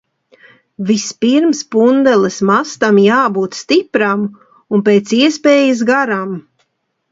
Vispirms pundeles mastam jābūt stipram un pēc iespējas garam.